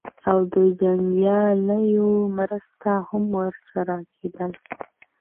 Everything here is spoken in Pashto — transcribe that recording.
او د جنګیالیو مرسته هم ورسره کېدله.